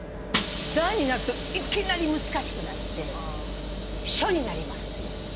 「段になるといきなり難しくなって書になります」って。